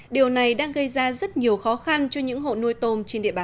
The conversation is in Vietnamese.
điều này đang gây ra rất nhiều khó khăn cho những hộ nuôi tôm trên địa bàn